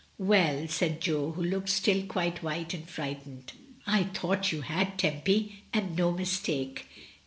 "Well," said Jo, who looked still quite white and frightened, "I thought you had, Tempy, and no mistake."